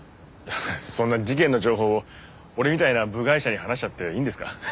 そんな事件の情報を俺みたいな部外者に話しちゃっていいんですか？